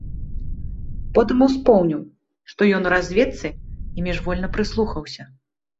Потым успомніў, што ён у разведцы, і міжвольна прыслухаўся.